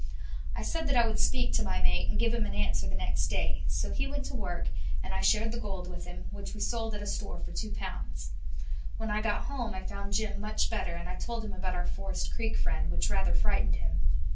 I said that I would speak to my mate and give him an answer the next day; so he went to work, and I shared the gold with him, which we sold at a store for two pounds. When I got home I found Jim much better, and I told him about our Forest Creek friend, which rather frightened him.